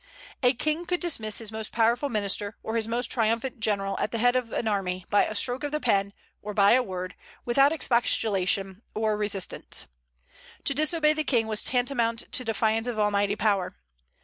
A king could dismiss his most powerful minister, or his most triumphant general at the head of an army, by a stroke of the pen, or by a word, without expostulation or resistance. To disobey the king was tantamount to defiance of Almighty power.